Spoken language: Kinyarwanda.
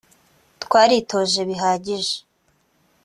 Twaritoje bihagije